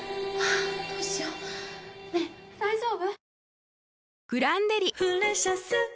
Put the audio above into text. どうしようねぇ大丈夫？